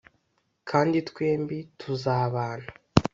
Kandi twembi tuzabana.